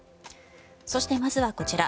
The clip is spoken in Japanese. そして、まずはこちら。